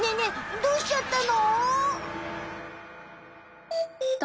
どうしちゃったの？